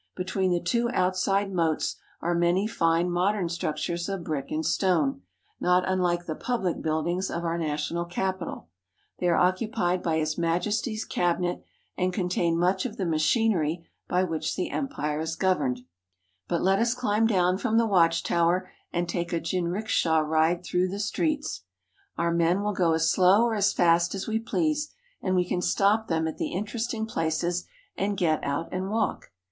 Between the two outside moats are many fine modern structures of brick and stone, not unlike the public buildings of our National Capital. They are occupied by His Majesty's Cabinet, and contain much of the machinery by which the empire is governed. But let us climb down from the watch tower and take a jinrikisha ride through the streets. Our men will go as slow or as fast as we please, and we can stop them at the interesting places and get out and walk.